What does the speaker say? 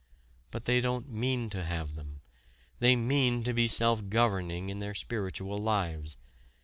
But they don't mean to have them. They mean to be self governing in their spiritual lives.